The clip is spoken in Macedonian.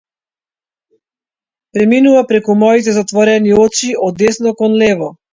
Преминува пред моите затворени очи од десно кон лево.